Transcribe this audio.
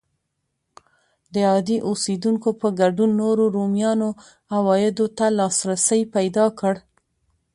د عادي اوسېدونکو په ګډون نورو رومیانو عوایدو ته لاسرسی پیدا کړ.